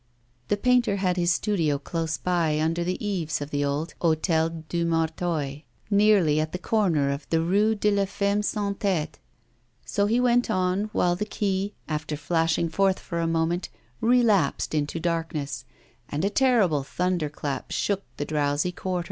The painter had his studio close by, under the eaves of the old Hôtel du Martoy, nearly at the corner of the Rue de la Femme sans Tête.* So he went on while the quay, after flashing forth for a moment, relapsed into darkness, and a terrible thunder clap shook the drowsy quarter.